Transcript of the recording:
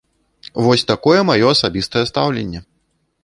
Вось такое маё асабістае стаўленне!